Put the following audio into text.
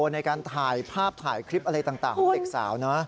ในการถ่ายภาพถ่ายคลิปอะไรต่างของเด็กสาวนะ